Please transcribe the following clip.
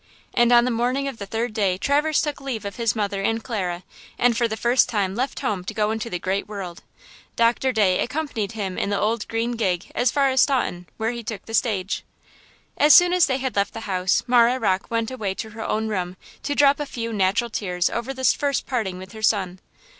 And on the morning of the third day Traverse took leave of his mother and Clara, and for the first time left home to go into the great world. Doctor Day accompanied him in the old green gig as far as Staunton, where he took the stage. As soon as they had left the house Marah Rocke went away to her own room to drop a few natural tears over this first parting with her son.